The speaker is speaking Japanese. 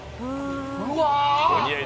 うわ。